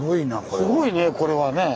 すごいねこれはね。